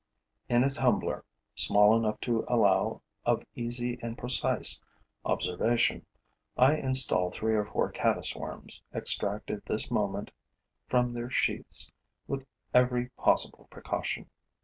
In a tumbler small enough to allow of easy and precise observation, I install three or four caddis worms, extracted this moment from their sheaths with every possible precaution.